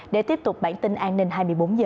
để tiếp tục bản tin an ninh hai mươi bốn h